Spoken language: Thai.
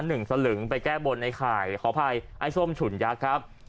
สลึงไปแก้บนไอ้ไข่ขออภัยไอ้ส้มฉุนยักษ์ครับ